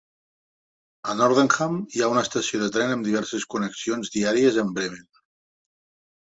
A Nordenham hi ha una estació de tren amb diverses connexions diàries amb Bremen.